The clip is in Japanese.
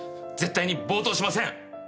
絶対に暴投しません。